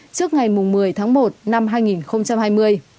trước ngày một mươi tháng một năm hai nghìn hai mươi